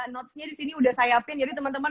notesnya disini udah saya apiin jadi temen temen